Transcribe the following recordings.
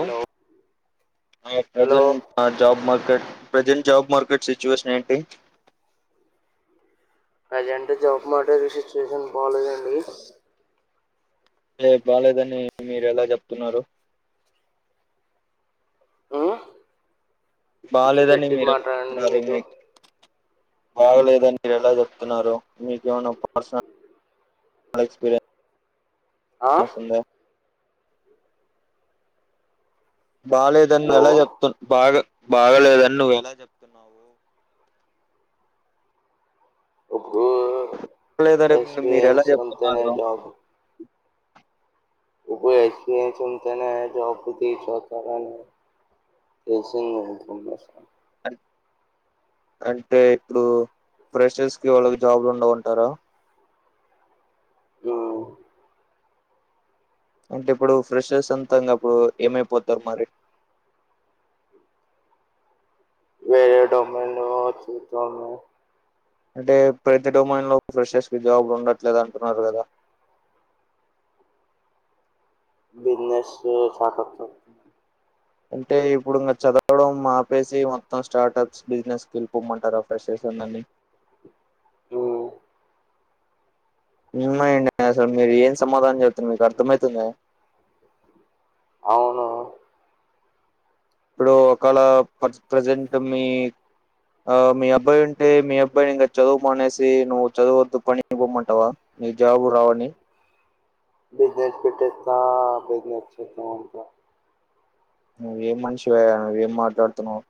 Hello hello present job market present job market situation ఏంటి present job market situation బాలేదండి ఏం బాలేదని మీరు ఎలా చెప్తున్నారు మ్మ్ కొంచెం బాలేేదని గట్టిగా మీరెలా మాట్లాడండి చెప్తున్నారు మీరు మీక్ బాగలేదని మీరు ఎలా జెప్తున్నారు మీకేమనా పర్సనల్ చాలా ఆ ఎక్స్పీరియన్స్ ఉందే బాగలేదని నువ్వు హలో ఎలా చెప్తు బాగ బాగలేదని నువ్వు ఎలా చెప్తున్నావు ఇప్పుడు బాగా లేరని మీరు ఎలా ఎక్స్పీరియన్స్ ఉంటేనే చెప్తున్నారు జాబ్ ఇప్పుడు ఎక్స్పీరియన్స్ ఉంటేనే జాబ్ [unintelligible] తెస వ [unintelligible] [inaudible] అంటే ఇప్పుడు ఫ్రెషర్స్ కి వాళ్ళకి జాబ్లు ఉండ వంటారా ఆ అంటే ఇప్పుడు ఫ్రెషెస్ అంతా ఇంగా అప్పుడు ఏమైపోతారు మరి వేరే [unintelligible] అంటే ప్రతి డోమైన్ లో ఫ్రెషర్స్ కి జాబు ఉండట్లేదు అంటున్నారు కదా విన్నర్స్ ఏ షాక్ అత్తంది అంటే ఇప్పుడు ఇంకా చదవడం మాపేసి మొత్తం స్టార్టప్స్ బిజినెస్కి వెళ్ళిపోమ్మంటారు ఆ ఫ్రెషర్స్ న్ నండి ఉమ్ ఉన్మయిడి అసలు మీరు ఏం సమాధానం చెతున్నారు మీకు అర్థమయితుంద అవును ఇప్పుడు ఒకళ ప ప్రజెంట్ మీ ఆ మీ అబ్బాయి ఉంటే మీ అబ్బాయిని ఇంగ చదువు మానేసి నువ్వు చదువు వద్దు పని పోమ్మంటావా నీ జాబు రావని బిసినెస్ పెట్టిస్తా బిసినెస్ చేస్తా అంటే నువ్వేం మనిషివయ నువ్వేం మాట్లాడుతున్నావు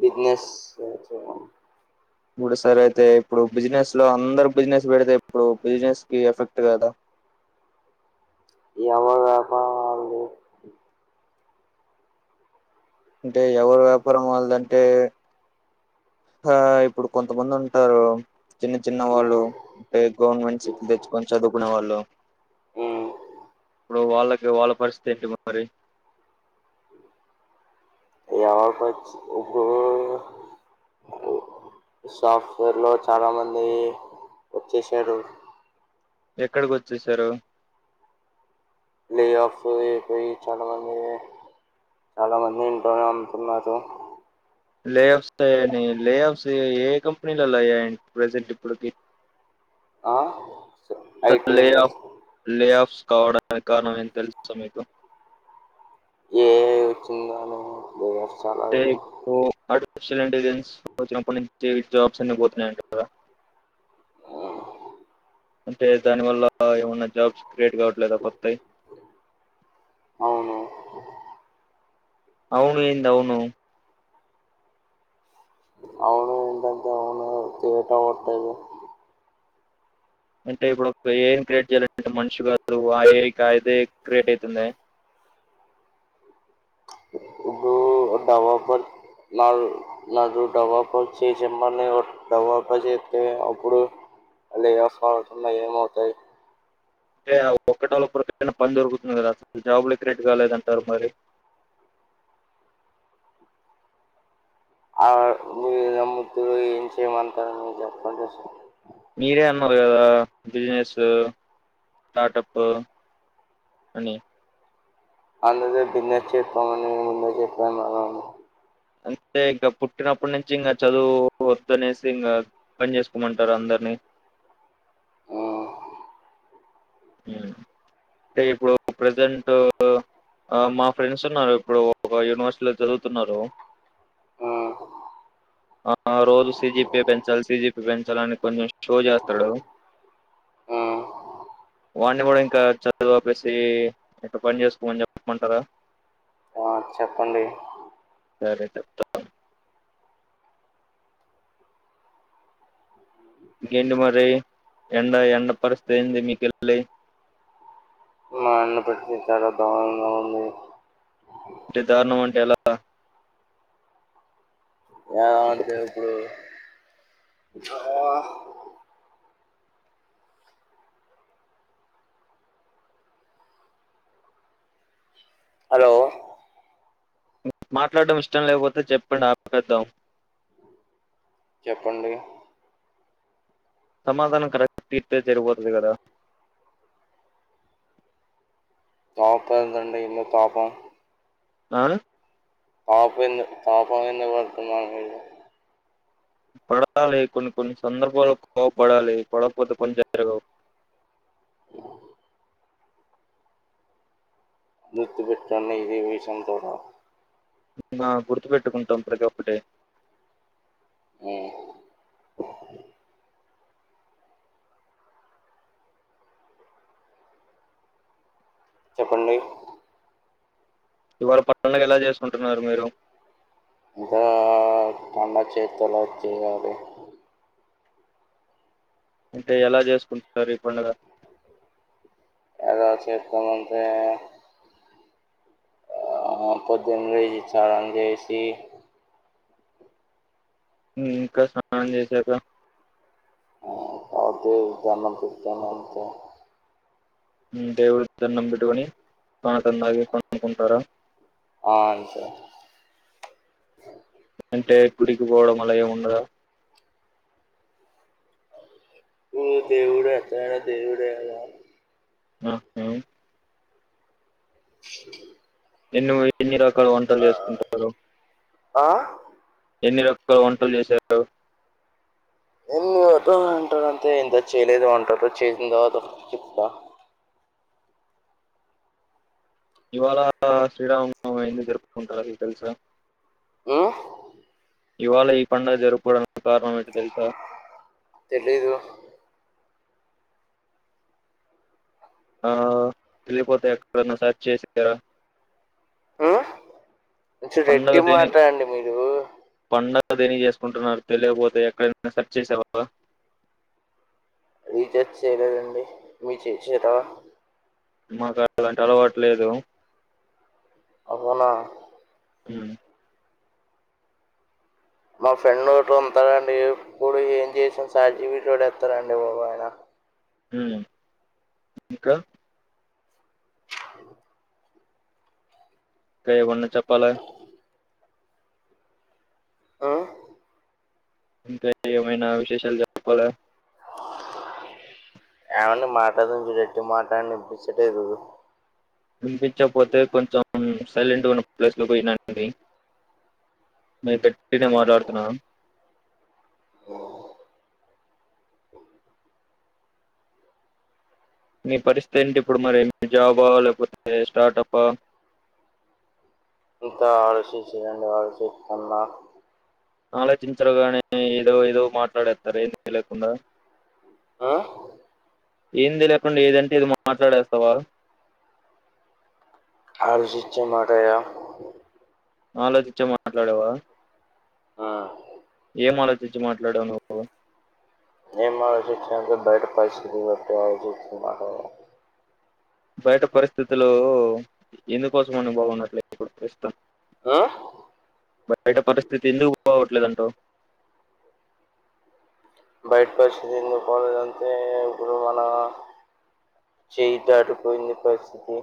బిజినేస్ ఇప్పుడు సరె అయితే ఇప్పుడు బిజినెస్ లో అందరు బిజినెస్ పెడితే ఇప్పుడు బిజినెస్ కి ఎఫెక్ట్ కదా ఎవల వ్యాపారం వాళ్లది అంటే ఎవరు వ్యాపారం వాళ్ళదంటే ఆ ఇప్పుడు కొంతమంది ఉంటారు చిన్న చిన్న వాళ్ళు ఉమ్, అంటే గవర్నమెంట్ సీట్లు తెచ్చుకొని చదువుకునే వాళ్ళు ఉమ్. ఇప్పుడు వాళ్ళకి వాళ్ళ పరిస్థితి ఏంటి మరి వాళ్ళ పరిస్థితి సాఫ్ట్వేర్ లో చాలా మంది వచ్చేసారు ఎక్కడికి వచ్చేసారు లే ఆఫ్ పోయి చాలమంది చాలా మంది ఇంట్లోనే అమ్ముకున్నాది లేఅఫ్స్ పోయాని లేఅఫ్స్ ఏ ఏ కంపెనీలలో అయ్యాయ ప్రజెంట్ ఇప్పడుకి ఆ స్ ఐటీ ఇండస్ కాలవడానికి కారణం ఏం తెలుస మీకు ఏ ఐ వచ్చిందో అని లే ఆఫ్స్ టే ఇప్పుడు పడ్ షల్ ఇంటెలిజెన్స్ వచ్చినప్పటి నుంచి జాబ్స్ అన్ని పోతున్నాయంట కదా అంటే దాని వల్ల ఆ ఏమన్నా జాబ్స్ క్రియేట్ కావట్లేదా కొత్తయి అవును అవును ఏందీ అవును అవును ఎందంటే అవును తియటవత్తది అంటే ఇప్పుడు ఏం క్రియేట్ చేయ్యాలంటే మనిషి కా ఇదే క్రియేట్ అయితుంది ఇప్పు భగవపన్ నలు నన్ను డవ్వప్ప చేచిమ్మని డవ్వప్పచెతే అప్పుడు లే ఆఫ్స్ అవ్వకుండా ఏమవుతాయి అంటే ఒక్కట ఒకరిైనా పని దొరుకుతుంది కదా అసలు జాబ్లే ఎ క్రెట్ కాలేదంటారు మరి ంది [inaudible] ఆ మీరు నమ్ముతురు ఏం చేయమంటారని మీ చెప్పండి అస మీరే అన్నారు గదా బిజినెసు స్టార్టపు అని అందుర్తో బిన్నెస్ చెతన అని ముందే చెప్పా కదా అని అంటే ఇంకా పుట్టినప్పటి నుంచి ఇంగ చదువు వద్దు అనేసి ఇంగ పని చేసుకోమంటారు అందరు ని ఆ ఊమ్ అంటే ఇప్పుడు ప్రజెంటు ఆ మా ఫ్రెండ్స్ ఉన్నారు ఇప్పుడు ఒక యూనివర్సిటీలో చదువుతున్నారు ఆ అ ఆ రోజు సజీఎ పెంచాలి సిజిపీ పెంచాలని కొంచెం షో జేస్తడు ఉమ్. [inaudible] వాని గూడా ఇంకా చదువు ఆపేసి ఇంక పని చేసుకోమని జెప్పమంటార [inaudible] అ చెప్పండి సరే చెప్తా ఇంగేంటి మరి ఎండ ఎండ పరిస్థితి ఏంది మీకెళ్ళి మా అన్న పరిస్థితి చాలా దరనంగా ఉంది అంటే దారుణం అంటే ఎలా ఆ అంటే ఇప్పుడు ఆ హలో మాట్లాడడం ఇష్టం లేకపోతే చెప్పండి ఆపెద్దాం చెప్పండి సమాధానం కరక్ట్ ఇతే జరిగిపోతది గదా పాపం గదండీ ఇన్న పాాపం అ పాపం ఎందుకు పాపం ఎందుకు వడుకున్నాడు ఈడు పడాలి కొన్ని కొన్ని సందర్భాలు కోపడాలి పడకపోతే పని జరగవు [inaudible] గుర్తు పెట్టకో అన్న ఇది విషం తొడ ఇంకా గుర్తు పెట్టుకుంటాం ప్రతి ఒక్కటి ఆ చెప్పండి ఇవాళ పండగా ఎలా చేసుకుంటున్నారు మీరు ఇంకా పండ చేతులో తీయాలి అంటే ఎలా చేసుకుంటరు ఈ పండగ ఎలా చెస్తమంతే ఆ పొద్దున్ లేజి చానం జేసి ఇంకా స్నానం జేసాక ఆ దేవునికి దనం పెతను అంత ఉమ్ దేవుడు దండం బెట్టుకొని పాకందాగి పనుకుంటారా ఆ అంతే అంటే గుడికి బోవడం అలా ఏం ఉండద ఓ దేవుడ అతనా దేవుడే గద ఆ హ [inaudible] ఎన్నో ఎన్ని రకాల వంటలు జేసుకుంటరు ఆ ఎన్ని రకాల వంటలు జేశారు ఏన్ని రకాల అంటే ఇంక చేయలేదు అంటారుో చేసిందో చెప్ా ఇవాళ శ్రీరాము ఎందుకు జరుపుకుంటారు తెలుసా ఏ ఇవాళ ఈ పడుగ జరుపుకోవడానికి కారణంేంటో తెలుసా తెలీదు ఆ తెలిపోతేక్టర్ సర్చ్ చేసారా మ్మ్ కొంచెం పండగ గట్టిగా మాట్లాడండి మీరు అదేని చేసుకుంటున్నారు తెలియకపోతే ఎక్కడయినా సెర్చ్ చేసావా రీచార్జ్ చేయలేదండి మీ చేచార మాకు అలాంటి అలవాటులేదు అవునా మ్మ్ మా ఫ్రెండ్ ఒకటి ఉతారండి ఇప్పుడు ఏం చేసాం సాజీవి ఎత్తరండి ఆయన మ్మ్ ఇంకా కయ ఉన్న చెప్పాలి మ్మ్ ఇంకా ఏమైనా విశేషాలు చెప్పాలి ఏమన్నా మాటడేది గట్టిగా మాటాడు ఇనిపిచ్చలేదు వినిపించపోతే కొంచెం సైలెంట్ గా ఉన్న ప్లేస్ లో పోయినా నండి నే పెట్టినే మాట్లాడుతున్నాను ఓ మీ పరిస్థితి ఏంటి ఇప్పుడు మరి జాబా లేకపోతే స్టార్టప్పా ఇంత ఆలోచించి రండి ఆలోచిత్తున్నా ఆలోచించరుగానే ఏదో ఏదో మాట్లాడేస్తారు ఏ లేకుండా ఆ ఏంది లేకుండా ఏదంటే ఇది మాట్లాడేస్తావా ఆలోచిచ్చే మాటాడిన ఆలోచిచ్చే మాట్లాడేవా ఆ ఏం ఆలోచించి మాట్లాడావు నువ్వు ఏం ఆలోచిచ్చినా బయట పరిస్థితి [unintelligible] బయట పరిస్థితులు ఎందుకోసం అని బాగున్నట్లేదు ఇప్పుడు ఇస్తాం బయట పరిస్థితి ఎందుకు బాగ్ పోవట్లేదంటావ్ బయట పరిస్థితి ను పోలేదంటే ఇప్పుడు మన చేయిదాటిపోయింది పరిస్థితి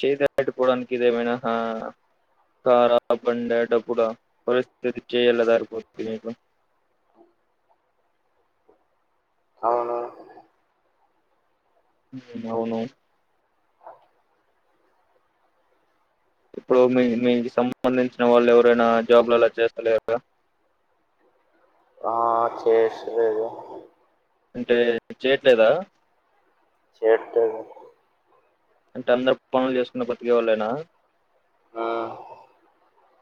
చేయి దాటిపోవడానికి ఇదేమైనా ఖారా బండ డప్పుడా పోలీస్ చేయ్ ఎలా జారిపోతుద్ది నీకు అవును అవును ఇప్పుడు మీ మీకు సంబంధించిన వాళ్ళు ఎవరైనా జాబ్లలా చేస్తలేరుగా ఆ చేష్ రే ఇదే అంటే చెయట్లేదా చేత్తో అంటే అందరు పనులు చేసుకుని బతికే వాళ్ళైనా ఉమ్,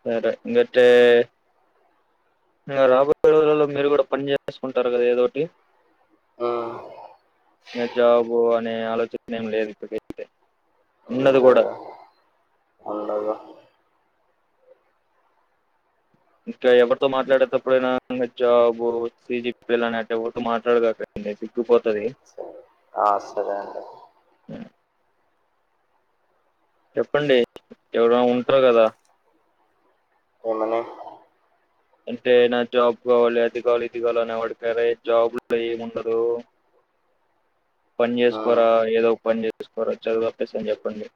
సరే మీ ఇటే ఇగ రాబోయే రోజులలో మీరు కూడా పని చేసుకుంటారు కదా ఏదోటి ఉమ్, ఇగ జాబు అనే ఆలోచన ఏం లేదు ఇప్పుడుకైతే ఉండదు కూడా పండగ ఇంకా ఎవరితో మాట్లాడేతప్పుడైన ఇంగా జాబు సి. జి. పి లని అటు ఎవరితో మాటడమకు అంటే సిగ్గుపోతది సరే ఆ సరే అంట చెప్పండి ఎవరైనా ఉంటారు కదా ఏమని అంటే నా జాబ్ కావాలి అది కావాలి ఇది కావాలి అనేవాడికైతే జాబ్ లో ఏమి ఉండదు [inaudible] పని ఉమ్, చేసుకోరా ఏదో ఒక పని చేసుకోరా చదువు ఆపేసి అని చెప్పండి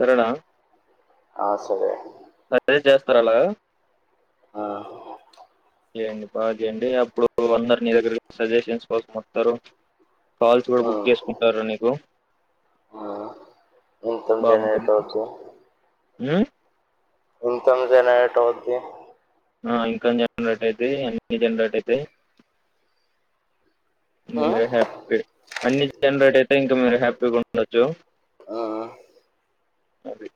సరేనా ఆ సరే అదే చేస్తారు అలాగా ఉమ్, చేయండి బాగా చేయండి అప్పుడు అందరు నీ దగ్గరే సజెషన్స్ కోసం వస్తారు కాల్స్ కూడా బుక్ చేసుకుంటారు నీకు ఆ ఇన్కమ్ బాగుంటుంది జనరేట్ అవుద్ది ఇన్కమ్ జెనరేట్ అవుద్ది ఆ ఇంకమ్ జనరేట్ అయితాయ్ అన్ని జనరేట్ అయితాయి ఉమ్, నేను హ్యాపీ అన్ని జనరేట్ అయితే ఇంకా మీరు హ్యాపీగా ఉండొచ్చు ఆఆ అది